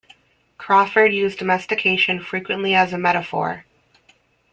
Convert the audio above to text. Crawfurd used domestication frequently as a metaphor.